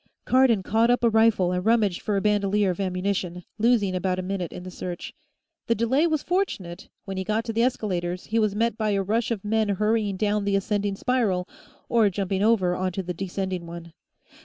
Cardon caught up a rifle and rummaged for a bandolier of ammunition, losing about a minute in the search. The delay was fortunate; when he got to the escalators, he was met by a rush of men hurrying down the ascending spiral or jumping over onto the descending one.